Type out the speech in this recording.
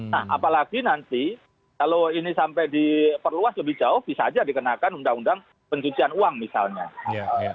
nah apalagi nanti kalau ini sampai diperluas lebih jauh bisa aja dikenakan undang undang pencucian uang misalnya